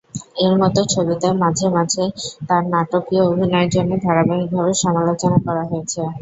এর মতো ছবিতে মাঝে মাঝে তাঁর নাটকীয় অভিনয়ের জন্য ধারাবাহিকভাবে সমালোচনা করা হয়েছে।